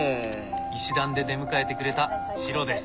石段で出迎えてくれたチロです。